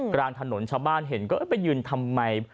กลางถนนชาวบ้านเห็นก็ไปยืนทำไม